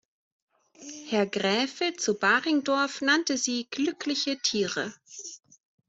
Herr Graefe zu Baringdorf nannte sie "glückliche Tiere".